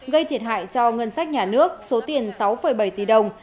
gây thiệt hại cho ngân sách nhà nước số tiền sáu bảy tỷ đồng